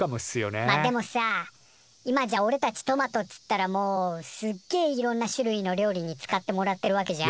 まあでもさ今じゃおれたちトマトっつったらもうすっげえいろんな種類の料理に使ってもらってるわけじゃん？